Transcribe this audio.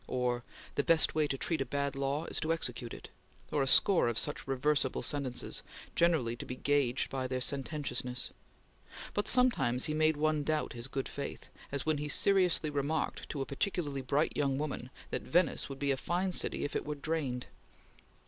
or, "The best way to treat a bad law is to execute it"; or a score of such reversible sentences generally to be gauged by their sententiousness; but sometimes he made one doubt his good faith; as when he seriously remarked to a particularly bright young woman that Venice would be a fine city if it were drained.